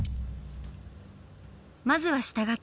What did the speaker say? まずは下描き。